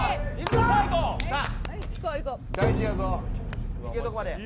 大事やぞ。